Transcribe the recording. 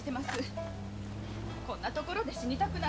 こんな所で死にたくない！